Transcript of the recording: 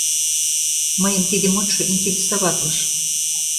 Мыйым тиде мутшо интересоватлыш.